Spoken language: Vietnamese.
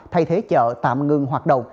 thay thế chợ tạm ngừng hoạt động